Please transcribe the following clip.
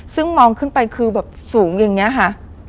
ซึ่งมองขึ้นไปคือแบบสูงอย่างนี้ค่ะ